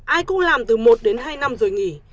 ai cũng làm từ một đến hai năm rồi nghỉ